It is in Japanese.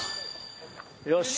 よし！